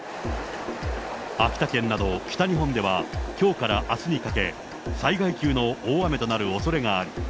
秋田県など北日本では、きょうからあすにかけ、災害級の大雨となるおそれがある。